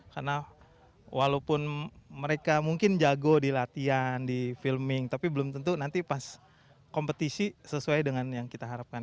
karena walaupun mereka mungkin jago di latihan di filming tapi belum tentu nanti pas kompetisi sesuai dengan yang kita harapkan